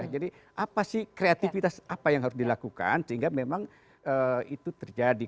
jadi apa sih kreativitas apa yang harus dilakukan sehingga memang itu terjadi